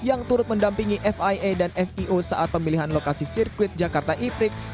untuk mendampingi fia dan feo saat pemilihan lokasi sirkuit jakarta e frix